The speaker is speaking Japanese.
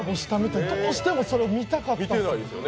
どうしてもそれを見たかったんです。